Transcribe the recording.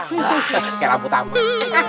kayak lampu tamar